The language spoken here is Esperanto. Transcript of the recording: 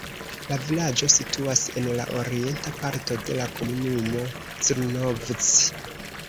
La vilaĝo situas en la orienta parto de la komunumo Zrnovci.